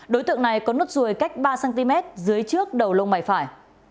đối tượng này có nốt ruồi cách ba cm dưới trước đầu lông mày phải